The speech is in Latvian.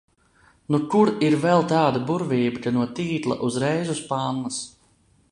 Nu kur ir vēl tāda burvība, ka no tīkla uzreiz uz pannas?